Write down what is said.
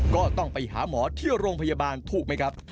ก็ต้องไปหาหมอที่โรงพยาบาลถูกไหมครับ